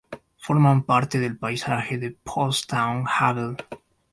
Forman parte del "Paisaje de Potsdam Havel".